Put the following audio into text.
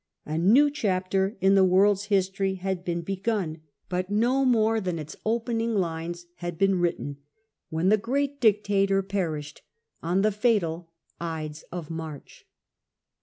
A new chapter in the world's history had been begun, but no more than its opening lines had been written when the great dictator perished on the fatal Ides of March.